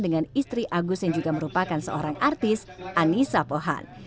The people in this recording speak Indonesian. dengan istri agus yang juga merupakan seorang artis anissa pohan